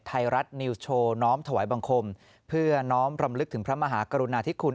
ไทยรัฐนิวส์โชว์น้อมถวายบังคมเพื่อน้อมรำลึกถึงพระมหากรุณาธิคุณ